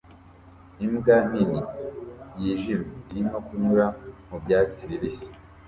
Imbwa nini yijimye irimo kunyura mu byatsi bibisi